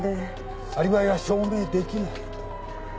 アリバイは証明できないと？